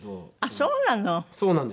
あっそうなの。